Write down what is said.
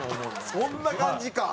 そんな感じか。